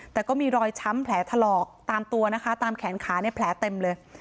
แต่ก็มีรอยช้ำแผลถลอกตามตัวนะคะตามแขนขาเนี่ยแผลเต็มเลย